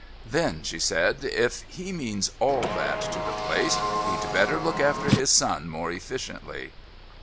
"Then," she said, "if he means all that to the place, he'd better look after his son more efficiently."